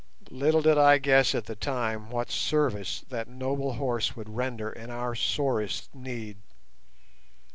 Little did I guess at the time what service that noble horse would render in our sorest need.